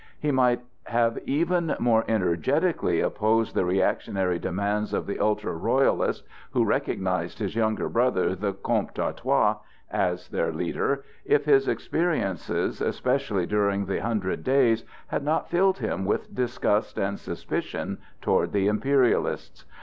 He might have even more energetically opposed the reactionary demands of the ultra Royalists, who recognized his younger brother, the Comte d'Artois, as their leader, if his experiences, especially during the "Hundred Days," had not filled him with disgust and suspicion toward the Imperialists.